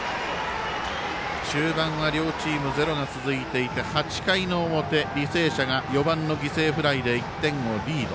中盤は両チームゼロが続いていて８回の表、履正社が４番の犠牲フライで１点をリード。